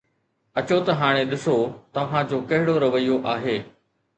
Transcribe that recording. اچو ته هاڻي ڏسو، توهان جو ڪهڙو رويو آهي